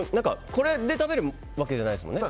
これで食べるわけじゃないですもんね。